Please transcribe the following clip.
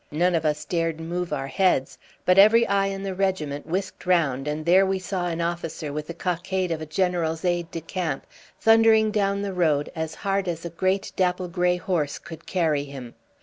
None of us dared move our heads, but every eye in the regiment whisked round, and there we saw an officer with the cockade of a general's aide de camp thundering down the road as hard as a great dapple grey horse could carry him.